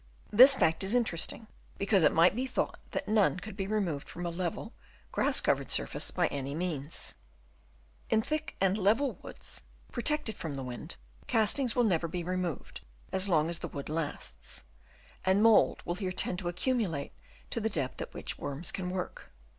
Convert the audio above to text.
This fact is interesting, because it might be thought that none could be removed from a level, grass covered surface by any means. In thick and level woods, protected from the wind, castings 290 DENUDATION OF THE LAND. Chap. YI. will never be removed as long as the wood lasts ; and mould will here tend to accumulate to the depth at which worms can work.